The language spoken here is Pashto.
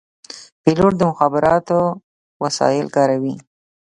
پیلوټ د مخابراتو وسایل کاروي.